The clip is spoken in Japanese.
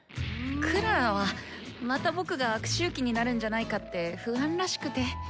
クララはまた僕が悪周期になるんじゃないかって不安らしくて。